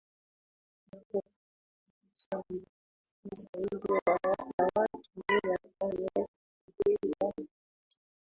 na kukushababisha zaidi ya watu mia tano kupoteza maisha